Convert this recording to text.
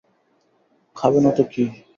খাবে না তো কী!